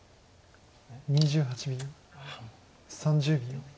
３０秒。